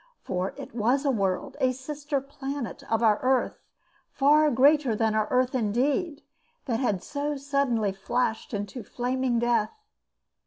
For it was a world, a sister planet of our earth, far greater than our earth indeed, that had so suddenly flashed into flaming death.